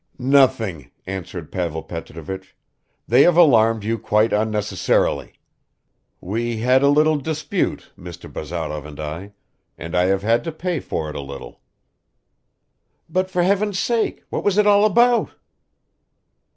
"Nothing," answered Pavel Petrovich, "they have alarmed you quite unnecessarily. We had a little dispute, Mr. Bazarov and I and I have had to pay for it a little." "But for heaven's sake, what was it all about?"